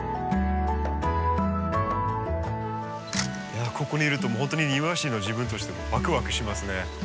いやここにいるともうほんとに庭師の自分としてワクワクしますね。